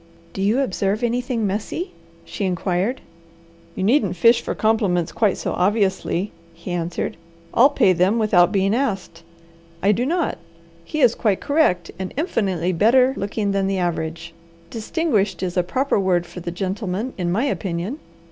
"Do you observe anything messy?" she inquired. "You needn't fish for compliments quite so obviously," he answered. "I'll pay them without being asked. I do not. He is quite correct, and infinitely better looking than the average. Distinguished is a proper word for the gentleman in my opinion.